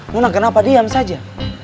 nona kenapa diam saja